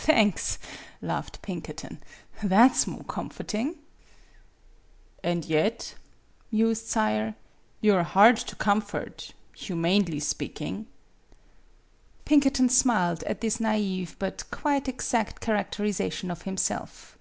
"Thanks," laughed Pinkerton; "that 's more comforting." "And yet," mused Sayre, "you are hard to comfort humanly speaking." \ Pinkerton smiled at this nai've but quite exact characterization of himself.